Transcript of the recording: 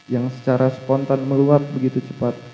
yang secara spontan meluap begitu cepat